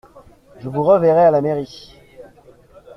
Je vous reverrai à la mairie.